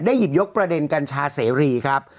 หยิบยกประเด็นกัญชาเสรีครับ